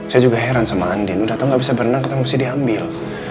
saya juga heran sama andien udah tau gak bisa berenang ketika mesti diambil